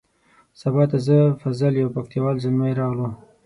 سبا ته زه فضل یو پکتیا وال زلمی راغلو.